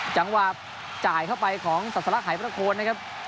จังหวะจ่ายเข้าไปของศาสลักหายประโคนนะครับ